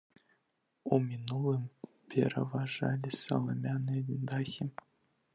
У мінулым пераважалі саламяныя дахі.